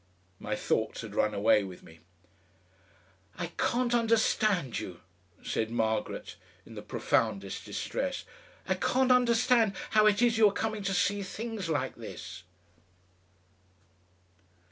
My thoughts had run away with me. "I can't understand you," said Margaret, in the profoundest distress. "I can't understand how it is you are coming to see things like this."